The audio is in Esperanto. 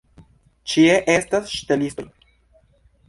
Ĉie estas ŝtelistoj.